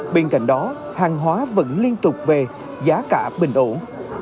bên cạnh đó hàng hóa vẫn liên tục về giá cả bình ổn